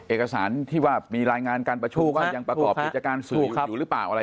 เอกสารที่ว่ามีรายงานการประชุกก็ยังประกอบกิจการสื่ออยู่หรือเปล่า